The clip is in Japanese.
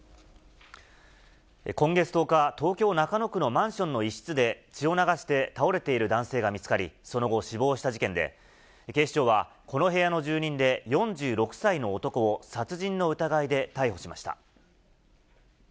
今月１０日、東京・中野区のマンションの一室で、血を流して倒れている男性が見つかり、その後、死亡した事件で、警視庁はこの部屋の住人で４６歳の男を、殺人の疑いで逮捕しました。